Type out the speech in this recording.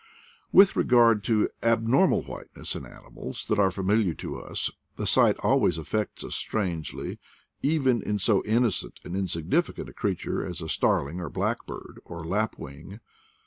/ 120 IDLE DATS IN PATAGONIA With regard to abnormal whiteness in animals that are familiar to us, the sight always affects ns strangely, even in so innocent and insignificant a creature as a starling, or blackbird, or lapwing.